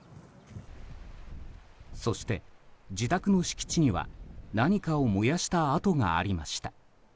そして、自宅の敷地には何かを燃やした跡がありました。